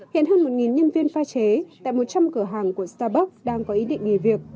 hiện hơn một nhân viên pha chế tại một trăm linh cửa hàng của starbuck đang có ý định nghỉ việc